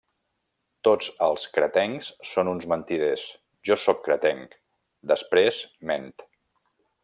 Tots els cretencs són uns mentiders, jo sóc cretenc, després ment.